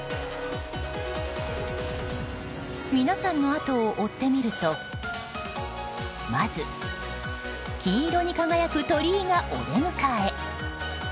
皆さんのあとを追ってみるとまず、金色に輝く鳥居がお出迎え。